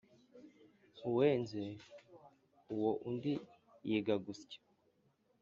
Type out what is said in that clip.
Uwenze uwo undi yiga gusya.